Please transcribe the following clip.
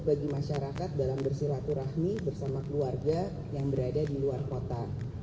bagi masyarakat dalam bersilaturahmi bersama keluarga yang berada di luar kota